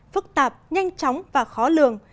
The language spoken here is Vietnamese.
phức tạp nhanh chóng và khó lường